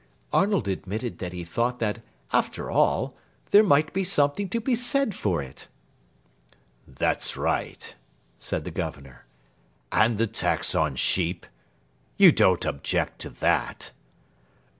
Arnold admitted that he thought that, after all, there might be something to be said for it. "That's right," said the Governor. "And the tax on sheep? You don't object to that?"